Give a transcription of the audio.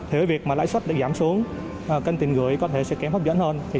thế với việc lãi suất được giảm xuống kênh tiền gửi có thể sẽ kém hấp dẫn hơn